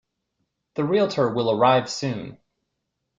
The Realtor will arrive soon.